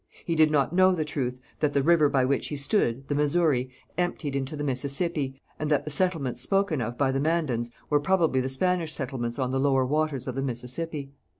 He did not know the truth, that the river by which he stood, the Missouri, emptied into the Mississippi, and that the settlements spoken of by the Mandans were probably the Spanish settlements on the lower waters of the Mississippi.